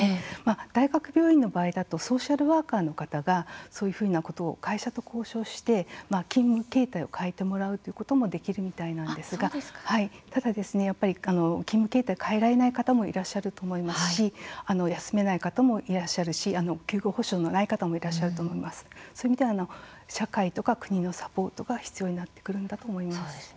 大学病院の場合だとソーシャルワーカーの方がそういうふうなことを会社と交渉して勤務形態を変えてもらうということもできるみたいなんですがただ勤務形態を変えられない方もいらっしゃると思いますし休めない方もいらっしゃるし休業保障のない方もいらっしゃるかと思いますしそういう意味では社会とか国のサポートが必要になってくるんだと思います。